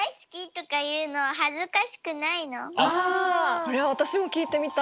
これはわたしもきいてみたい。